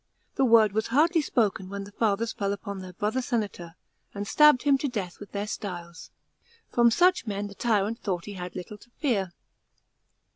The word was hardly spoken when the Fathers fell upon their brother senator, and stabbed him to death with their styles. From such men the tyrant thought he had little to fear.